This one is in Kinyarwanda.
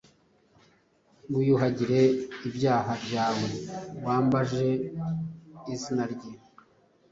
wiyuhagire ibyaha byawe, wambaje izina rye